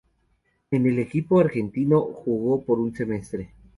En el equipo argentino, jugó por un semestre.